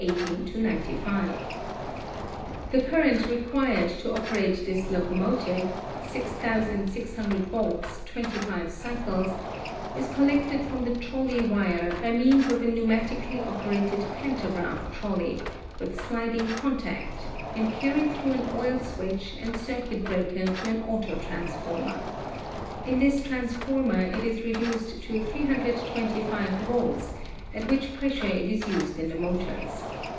The 292 ELECTRICITY current required to operate this locomotive (6,600 volts, 25 cycles) is collected from the trolley wire by means of a pneumatically operated pantagraph trolley, with sliding contact, and carried through an oil switch and circuit breaker to an auto transformer. In this transformer it is reduced to 325 volts, at which pressure it is used in the motors.